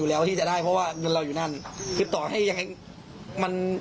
แล้วที่จะได้เพราะว่าเงินเราอยู่นั่นคือต่อให้ยังไงมัน